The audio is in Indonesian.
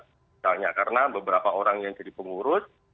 misalnya karena beberapa orang yang jadi pengurus